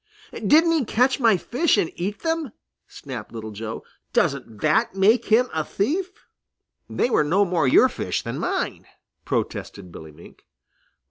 "Didn't he catch my fish and eat them?" snapped Little Joe. "Doesn't that make him a thief?" "They were no more your fish than mine," protested Billy Mink.